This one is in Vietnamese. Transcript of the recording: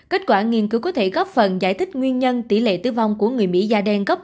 kết quả nghiên cứu có thể góp phần giải thích nguyên nhân tỷ lệ tử vong của người mỹ da đen gấp